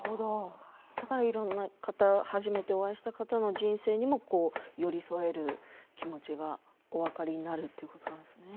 だから初めてお会いした方の人生にも寄り添える、気持ちがお分かりになるということなんですね。